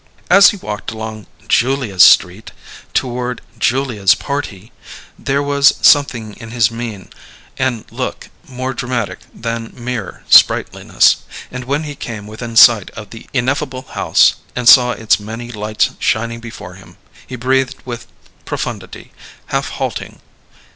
As he walked along Julia's Street toward Julia's Party, there was something in his mien and look more dramatic than mere sprightliness; and when he came within sight of the ineffable house and saw its many lights shining before him, he breathed with profundity, half halting.